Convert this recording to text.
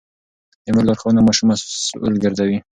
د مور لارښوونه ماشوم مسوول ګرځوي.